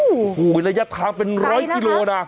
โอ้โหระยะทางเป็นร้อยกิโลนะ